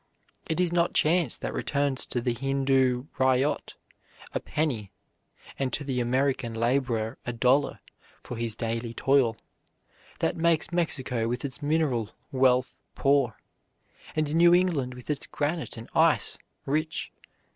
It is not chance that returns to the Hindoo ryot a penny and to the American laborer a dollar for his daily toil; that makes Mexico with its mineral wealth poor, and New England with its granite and ice rich.